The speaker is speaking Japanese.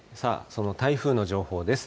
その台風の情報です。